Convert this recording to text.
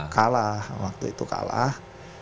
kalah waktu itu kalah